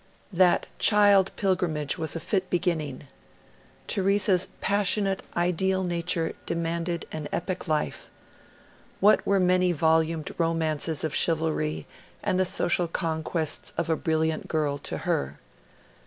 That child pilgrimage was a fit beginning. Theresa's passionate, ideal nature demanded an epic life: what were many volumed romances of chivalry and the social conquests of a brilliant girl to her?